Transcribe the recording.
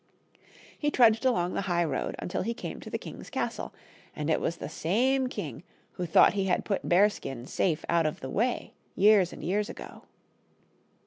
He trudged along the high road, until he came to the king's castle, and it was the same king who thought he had put Bearskin safe out of the way years and years ago.